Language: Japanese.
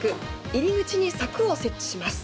入り口に柵を設置します。